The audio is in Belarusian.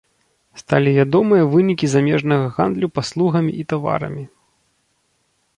Сталі вядомыя вынікі замежнага гандлю паслугамі і таварамі.